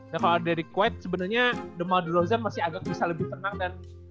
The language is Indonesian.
dan kalau derek white sebenernya the mother of zen masih agak bisa lebih tenang dan